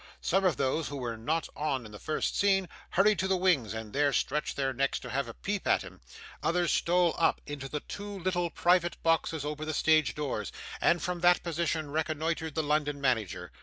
Some of those who were not on in the first scene, hurried to the wings, and there stretched their necks to have a peep at him; others stole up into the two little private boxes over the stage doors, and from that position reconnoitred the London manager.